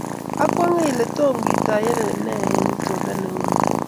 Akwong'e ile Tom kitoyoe nee eng itondo ne uni.